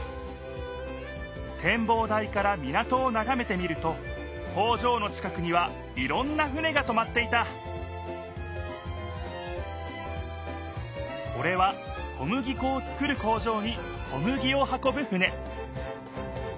てんぼう台から港をながめてみると工場の近くにはいろんな船がとまっていたこれは小麦こを作る工場に小麦を運ぶ船